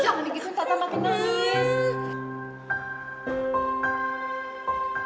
jangan begitu tata makin nangis